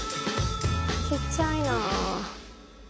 ちっちゃいなあ。